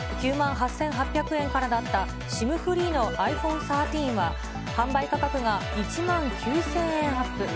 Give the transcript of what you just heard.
９万８８００円からだったＳＩＭフリーのｉＰｈｏｎｅ１３は、販売価格が１万９０００円アップ。